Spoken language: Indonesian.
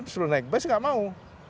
suruh naik bus nggak mau